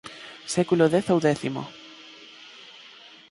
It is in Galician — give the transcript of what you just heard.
Século dez ou décimo